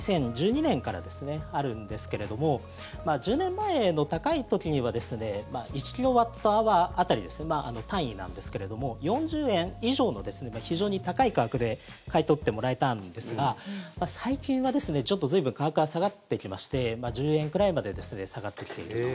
２０１２年からあるんですけども１０年前の高い時には１キロワットアワー当たり単位なんですけれども４０円以上の非常に高い価格で買い取ってもらえたんですが最近はちょっと随分、価格が下がってきまして１０円くらいまで下がってきていると。